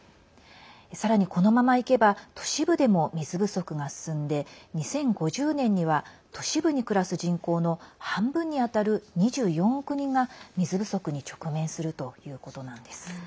さらに、このままいけば都市部でも水不足が進んで２０５０年には都市部に暮らす人口の半分に当たる２４億人が水不足に直面するということなんです。